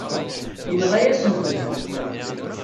Yenɣa-yasen-tent.